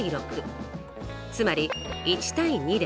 つまり１：２です。